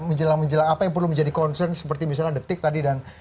menjelang menjelang apa yang perlu menjadi concern seperti misalnya detik tadi dan